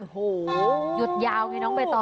หูยหยุดยาวไงหลงไปต่อ